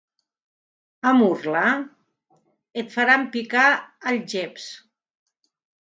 A Murla? Et faran picar algeps.